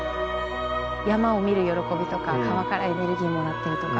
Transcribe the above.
山を見る喜びとか川からエネルギーもらってるとか。